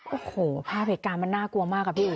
โอ้โหภาพแหกรามมันน่ากลัวมากอ่ะพี่โอ้